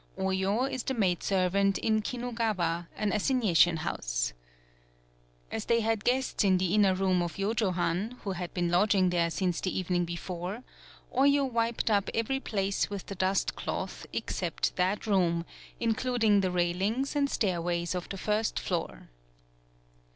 Oyo is the maidservant in Kinugawa, an assignation house. As they had guests in the inner room of Yojohan, who had been lodging there since the evening before, Oyo wiped up every place with the dust cloth except that room, including the 71 PAULOWNIA railings and stairways of the first floor.